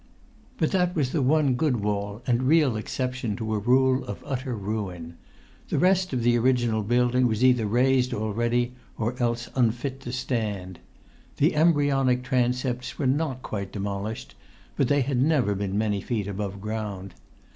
But that was the one good wall and real exception to a rule of utter ruin. The rest of the original building was either razed already or else unfit to stand. The embryonic transepts were not quite demolished, but they had never been many feet above ground.